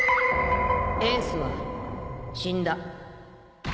エースは死んだ